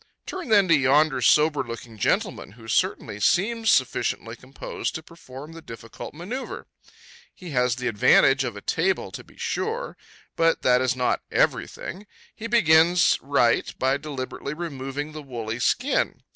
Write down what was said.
Turn then to yonder sober looking gentleman, who certainly seems sufficiently composed to perform the difficult manoeuvre. He has the advantage of a table to be sure; but that is not every thing. He begins right, by deliberately removing the woolly skin.